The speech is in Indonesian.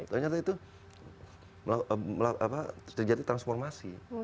ternyata itu terjadi transformasi